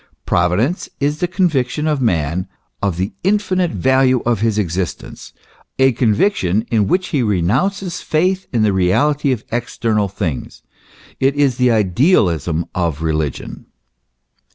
Providence is the conviction of man of the infinite value of his existence, a conviction in which he renounces faith in the reality of exter nal things ; it is the idealism of religion.